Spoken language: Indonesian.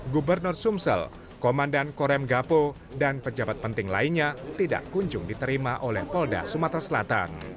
gubernur sumsel komandan korem gapo dan pejabat penting lainnya tidak kunjung diterima oleh polda sumatera selatan